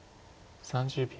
３０秒。